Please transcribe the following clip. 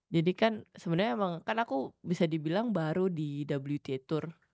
jadi kan sebenarnya emang kan aku bisa dibilang baru di wta tour